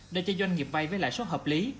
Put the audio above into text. để cho doanh nghiệp vay với lãi suất hợp lý